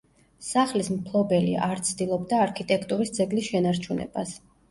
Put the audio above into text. სახლის მფლობელი არ ცდილობდა არქიტექტურის ძეგლის შენარჩუნებას.